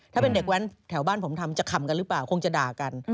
ถ้าเป็นเด็กแว้นแถวบ้านผมทำจะขำกันหรือเปล่าคงจะด่ากัน